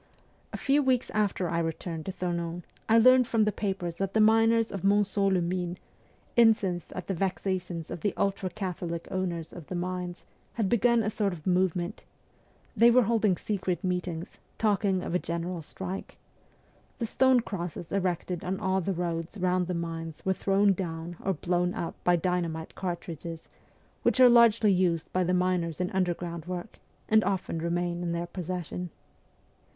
A few weeks after I returned to Thonon I learned from the papers that the miners of Monceau les Mines, incensed at the vexations of the ultra Catholic owners of the mines, had begun a sort of movement ; they were holding secret meetings, talking of a general strike ; the stone crosses erected on all the roads round the mines were thrown down or blown up by dynamite cartridges, which are largely used by the miners in underground work, and often remain in their possession.